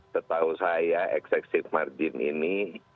setahu saya eksesif margin ini